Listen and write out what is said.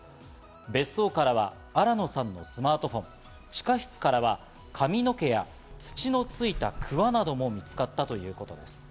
別荘からは新野さんのスマートフォン、地下室からは髪の毛や土のついたくわなども見つかったということです。